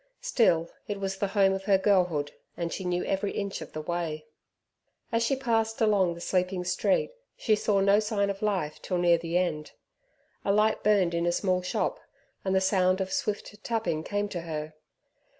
Still it was the home of her girlhood, and she knew every inch of the way. As she passed along the sleeping street, she saw no sign of life till near the end. A light burned in a small shop, and the sound of swift tapping came to her.